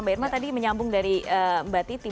mbak irma tadi menyambung dari mbak titi